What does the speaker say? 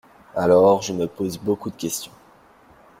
Alors, je me pose beaucoup de questions.